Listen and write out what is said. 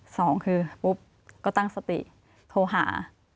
สองคือปุ๊บก็ตั้งสติโทรหา